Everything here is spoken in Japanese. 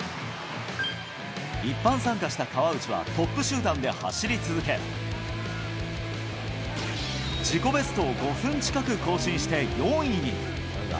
一般参加した川内は、トップ集団で走り続け、自己ベストを５分近く更新して４位に。